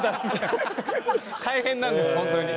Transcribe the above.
大変なんですホントに。